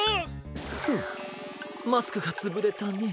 フンマスクがつぶれたね。